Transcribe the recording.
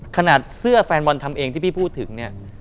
ขนาดเสื้อแฟนบอลทำเองที่พี่พูดถึงเนี่ย